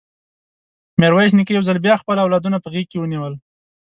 ميرويس نيکه يو ځل بيا خپل اولادونه په غېږ کې ونيول.